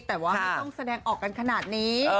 แต่ว่าไม่ต้องแสดงออกกันขนาดนี้